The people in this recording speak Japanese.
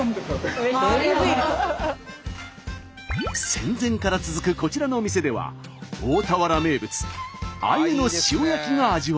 戦前から続くこちらのお店では大田原名物あゆの塩焼きが味わえます。